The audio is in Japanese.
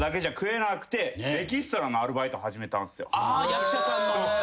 役者さんの？